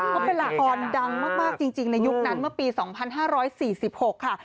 เขาเป็นละครดังมากจริงในยุคนั้นเมื่อปี๒๕๔๖ค่ะ